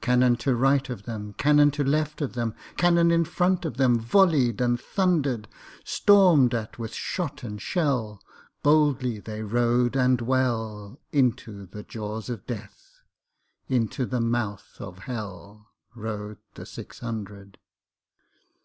Cannon to right of them, Cannon to left of them, Cannon in front of themVolley'd and thunder'd; Storm'd at with shot and shell, Boldly they rode and well, Into the jaws of Death, Into the mouth of HellRode the six hundred.